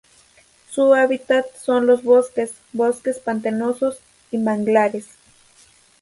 Su hábitat son los bosques, bosques pantanosos y manglares.